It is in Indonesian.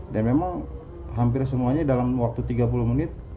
dan memang hampir semuanya dalam waktu tiga puluh menit